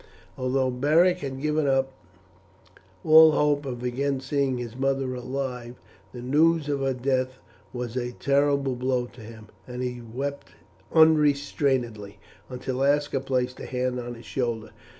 Although Beric had given up all hope of again seeing his mother alive, the news of her death was a terrible blow to him, and he wept unrestrainedly until Aska placed a hand on his shoulder.